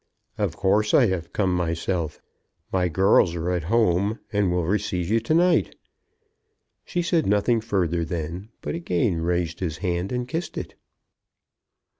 "Of course I have come myself. My girls are at home, and will receive you to night." She said nothing further then, but again raised his hand and kissed it.